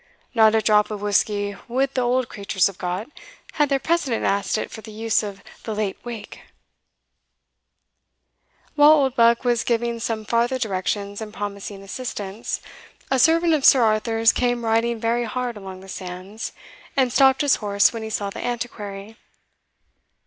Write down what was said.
Not a drop of whisky would the old creatures have got, had their president asked it for the use of the Late wake." While Oldbuck was giving some farther directions, and promising assistance, a servant of Sir Arthur's came riding very hard along the sands, and stopped his horse when he saw the Antiquary.